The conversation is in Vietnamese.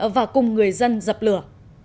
và cùng người dân dập lửa